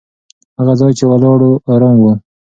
هغه ځای چې ولاړو، ارام و.